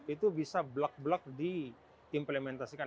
itu bisa blak blok diimplementasikan